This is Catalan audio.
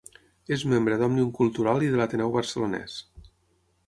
És membre d'Òmnium Cultural i de l'Ateneu Barcelonès.